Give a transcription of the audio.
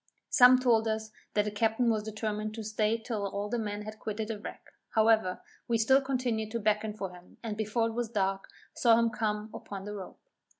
Some told us that the captain was determined to stay till all the men had quitted the wreck however, we still continued to beckon for him, and before it was dark, saw him come upon the rope.